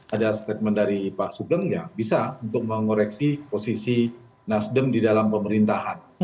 ada statement dari pak sugeng ya bisa untuk mengoreksi posisi nasdem di dalam pemerintahan